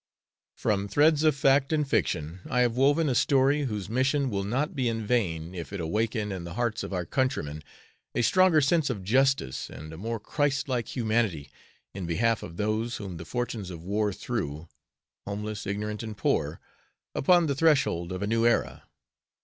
From threads of fact and fiction I have woven a story whose mission will not be in vain if it awaken in the hearts of our countrymen a stronger sense of justice and a more Christlike humanity in behalf of those whom the fortunes of war threw, homeless, ignorant and poor, upon the threshold of a new era.